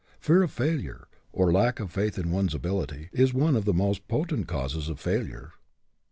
Fear of failure, or lack of faith in one's ability, is one of the most potent causes of failure.